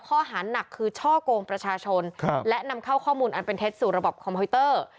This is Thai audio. ข้อหานักคือช่อกงประชาชนและนำเข้าข้อมูลอันเป็นเท็จสู่ระบบคอมพิวเตอร์